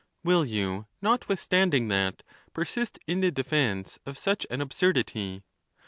Will you, notwithstanding that, persist in the defence of such an absurdity